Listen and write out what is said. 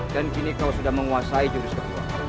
dan kau sudah semakin matang dengan jurus kedua